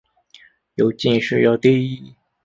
由进士擢第。